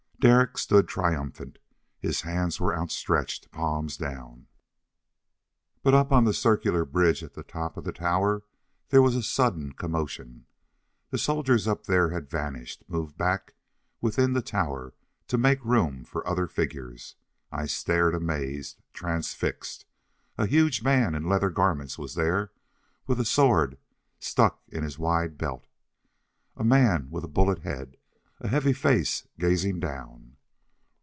Derek stood triumphant. His hands were outstretched, palms down. But up on the circular bridge at the top of the tower there was a sudden commotion. The soldiers up there had vanished, moved back within the tower to make room for other figures. I stared amazed, transfixed. A huge man in leather garments was there, with a sword stuck in his wide belt. A man with a bullet head, a heavy face, gazing down....